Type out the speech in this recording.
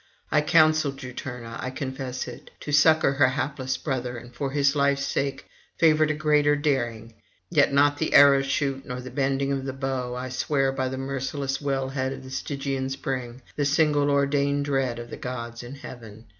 I counselled Juturna, I confess it, to succour her hapless brother, and for his life's sake favoured a greater daring; yet not the arrow shot, not the bending of the bow, I swear by the merciless well head of the Stygian spring, the single ordained dread of the gods in heaven.